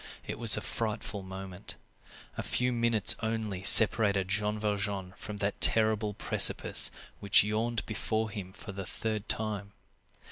It was a frightful moment. A few minutes only separated Jean Valjean from that terrible precipice which yawned before him for the third time.